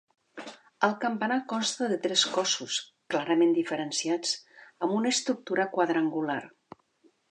El campanar consta de tres cossos, clarament diferenciats, amb una estructura quadrangular.